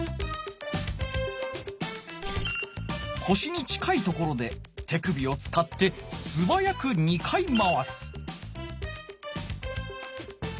こしに近いところで手首をつかってすばやく２回まわす。